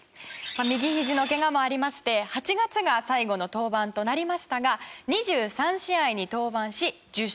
右ひじのケガもありまして８月が最後の登板となりましたが２３試合に登板し１０勝５敗。